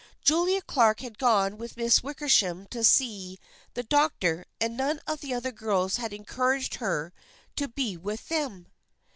Julia Clark had gone with Miss Wickersham to see the doctor, and none of the other girls had encouraged her to be with them.